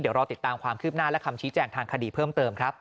เดี๋ยวรอติดตามความคืบหน้าและคำชี้แจงทางคดีเพิ่มเติมครับ